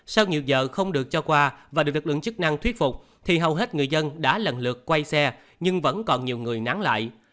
sau nhiều giờ không được cho qua và được lực lượng chức năng thuyết phục thì hầu hết người dân đã lần lượt quay xe nhưng vẫn còn nhiều người nán lại